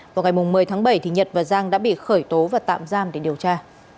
vào ngày một mươi tháng bảy nhật và giang đã bị khởi tố và tạm giam để điều tra